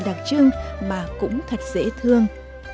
đặc trưng mà cũng thật dễ thương